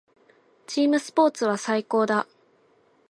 チームスポーツは最高だ。